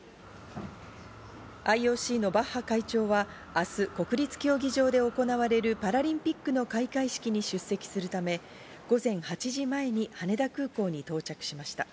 ＩＯＣのバッハ会長は明日、国立競技場で行われるパラリンピックの開会式に出席するため、午前８時前に羽田空港に到着しました。